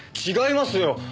違いますよ！